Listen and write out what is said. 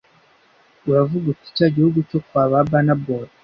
uravuga uti cya gihugu cyo kwa ba Burna Boy